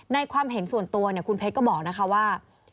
ความเห็นส่วนตัวคุณเพชรก็บอกนะคะว่า